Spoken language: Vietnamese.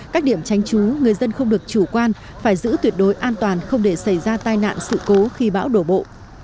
các điểm tránh trú người dân không được chủ quan phải giữ tuyệt đối an toàn không để xảy ra tai nạn sự cố khi bão đổ bộ